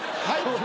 はい！